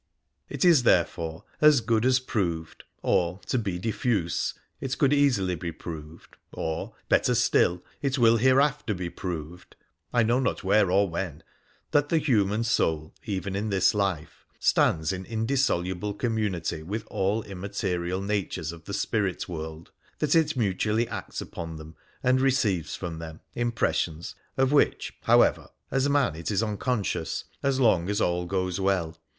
It is, therefore, as good as proved, or, to be diffuse, it could easily be proved, or, better still, it will hereafter be proved (I know not where or when), that the human soul, even in this life, stands in indissoluble community with all immaterial natures of the spirit world ; that it mutually acts upon them and receives from them impiessions, of which, howe vei, as man it is unconscious, as long as all goes well.